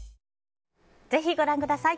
ぜひご覧ください。